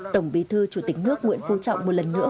tổng bí thư chủ tịch nước nguyễn phú trọng một lần nữa